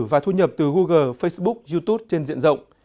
và thu nhập từ google facebook youtube trên diện rộng